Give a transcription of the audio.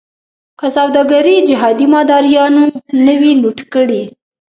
که سوداګري جهادي مداریانو نه وی لوټ کړې.